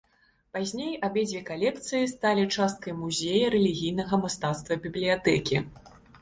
Пазней абедзве калекцыі сталі часткай музея рэлігійнага мастацтва бібліятэкі.